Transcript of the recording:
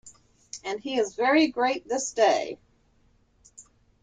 And he is very great this day.